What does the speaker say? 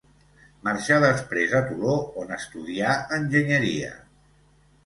Marxà després a Toló on estudià enginyeria.